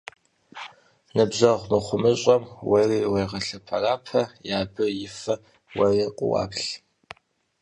Ныбжьэгъу мыхъумыщӀэм уэри уегъэлъэпэрапэ, е абы и фэ уэри къуаплъ.